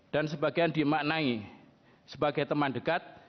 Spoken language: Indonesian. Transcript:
dan sebagian dimaknai sebagai teman dekat